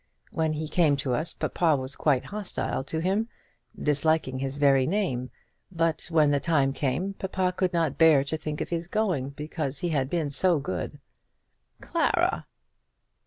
When he came to us papa was quite hostile to him disliking his very name; but when the time came, papa could not bear to think of his going, because he had been so good." "Clara!"